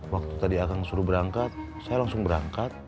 waktu tadi akang suruh berangkat saya langsung berangkat